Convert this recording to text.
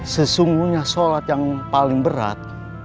sesungguhnya sholat yang paling berat